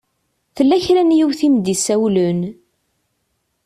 Tella kra n yiwet i m-d-isawlen.